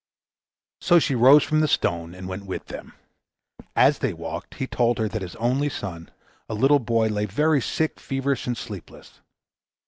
So she rose from the stone and went with them. As they walked he told her that his only son, a little boy, lay very sick, feverish, and sleepless.